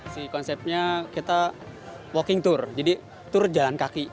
si konsepnya kita walking tour jadi tour jalan kaki